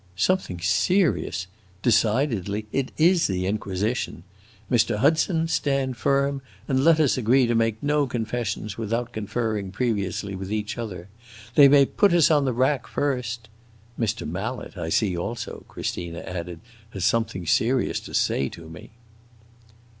"Something serious! Decidedly, it is the Inquisition. Mr. Hudson, stand firm, and let us agree to make no confessions without conferring previously with each other! They may put us on the rack first. Mr. Mallet, I see also," Christina added, "has something serious to say to me!"